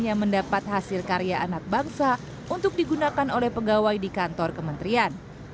yang mendapat hasil karya anak bangsa untuk digunakan oleh pegawai di kantor kementerian